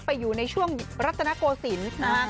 ไปอยู่ในช่วงรัตนโกสินฮะ